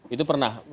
itu pernah mention